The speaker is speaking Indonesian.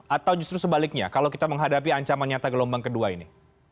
atau justru sebaliknya kalau kita menghadapi ancaman nyata gelombang kedua ini